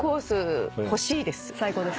最高です。